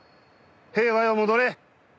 平和よ戻れ。